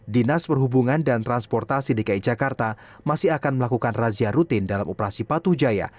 dinas perhubungan dan transportasi dki jakarta masih akan melakukan razia rutin dalam operasi patuh jaya